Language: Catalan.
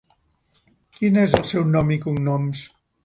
Quin és el seu nom i cognoms?